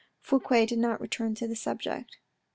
Fouque did not return to the subject.